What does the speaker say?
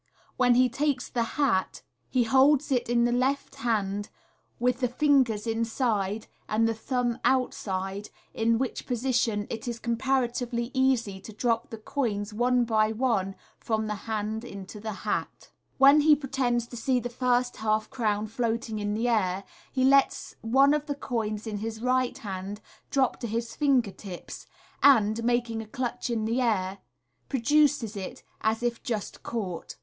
When he takes the hat, he holds it in the •o6 MODERN MA GIC. left hand, with the fingers inside and the thumb outside, in which position it is comparatively easy to drop the coins one by one from the hand into the hat. When he pretends to see the first half crown floating in the air, he lets one of the coins in his right hand drop to his finger tips, and, making a clutch at the air, produces it as if just caught.